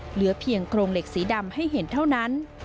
เหลือเพียงโครงเหล็กสีดำให้เห็นเท่านั้น